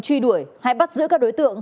truy đuổi hay bắt giữ các đối tượng